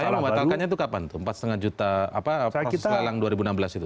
kalau membatalkannya itu kapan tuh empat lima juta proses lelang dua ribu enam belas itu